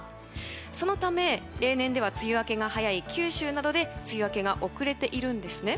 そのため、例年では梅雨明けが早い九州などで梅雨明けが遅れているんですね。